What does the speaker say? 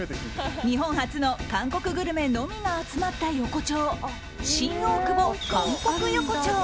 日本初の韓国グルメのみが集まった横丁、新大久保韓国横丁。